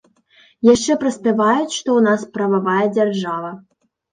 Яшчэ праспяваюць, што ў нас прававая дзяржава.